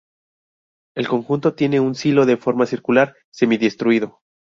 El conjunto tiene un silo de forma circular semi-destruido.